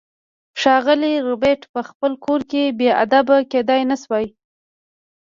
ښاغلی ربیټ په خپل کور کې بې ادبه کیدای نشوای